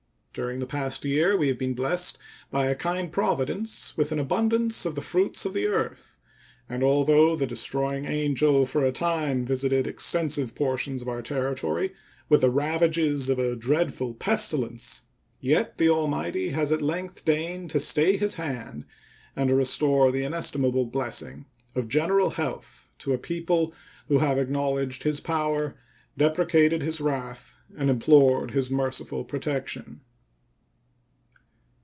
During the past year we have been blessed by a kind Providence with an abundance of the fruits of the earth, and although the destroying angel for a time visited extensive portions of our territory with the ravages of a dreadful pestilence, yet the Almighty has at length deigned to stay his hand and to restore the inestimable blessing of general health to a people who have acknowledged His power, deprecated His wrath, and implored His merciful protection.